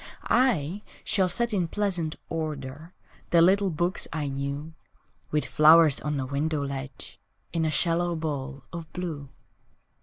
I shall set in pleasant order The little books I knew, With flowers on the window ledge In a shallow bowl of blue.